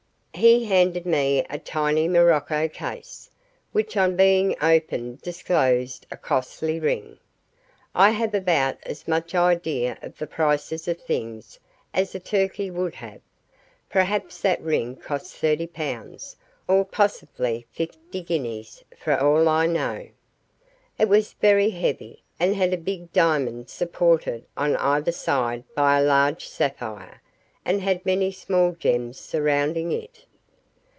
He handed me a tiny morocco case, which on being opened disclosed a costly ring. I have about as much idea of the prices of things as a turkey would have. Perhaps that ring cost thirty pounds or possibly fifty guineas, for all I know. It was very heavy, and had a big diamond supported on either side by a large sapphire, and had many small gems surrounding it.